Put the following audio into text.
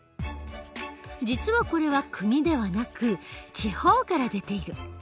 実はこれは国ではなく地方から出ている。